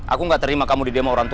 aku gak terima kamu di demonstrasi